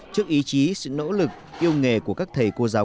trước ý chí sự nỗ lực yêu nghề của các thầy cô giáo